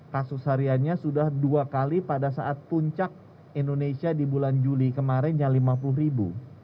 kasus hariannya sudah dua kali pada saat puncak indonesia di bulan juli kemarin yang lima puluh ribu